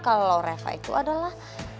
kalo reva itu adalah